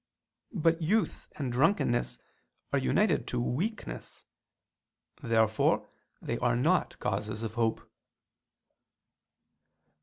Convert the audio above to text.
But youth and drunkenness are united to weakness. Therefore they are not causes of hope.